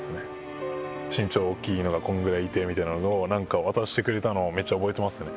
「身長が大きいのがこのぐらいいて」みたいなのをなんか渡してくれたのをめっちゃ覚えていますね